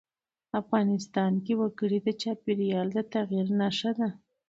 افغانستان کې وګړي د چاپېریال د تغیر نښه ده.